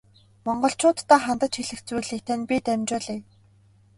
Монголчууддаа хандаж хэлэх зүйлийг тань бид дамжуулъя.